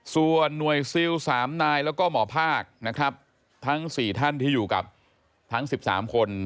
ส่วนหน่วยซิล๓นายแล้วก็หมอภาคนะครับทั้ง๔ท่านที่อยู่กับทั้ง๑๓คน